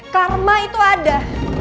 karma itu ada